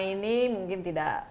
ini mungkin tidak